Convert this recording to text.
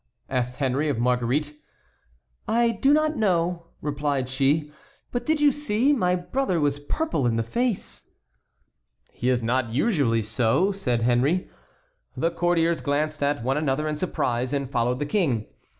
asked Henry of Marguerite. "I do not know," replied she; "but did you see? My brother was purple in the face." "He is not usually so," said Henry. The courtiers glanced at one another in surprise and followed the King.